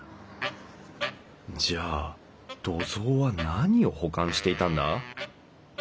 じゃあ土蔵は何を保管していたんだ？